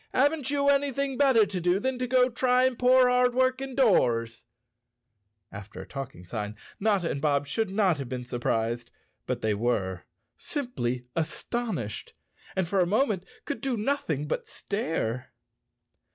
"Haven't you anything better to do than go trying poor hard working doors?" 73 The Cowardly Lion of Oz _ After a talking sign, Notta and Bob should not have been surprised. But they were—simply astonished —and for a moment could do nothing but stare.